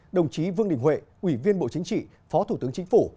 đồng chí vương đình huệ ủy viên bộ chính trị phó thủ tướng chính phủ